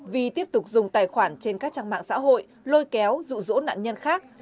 vi tiếp tục dùng tài khoản trên các trang mạng xã hội lôi kéo rụ rỗ nạn nhân khác